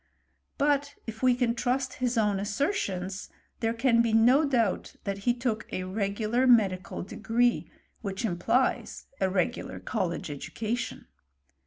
But if we can trust his own assertions, there can he no doubt that he took a regular medical degree, which implies a regular college education.